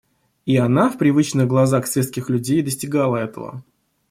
И она в привычных глазах светских людей достигала этого.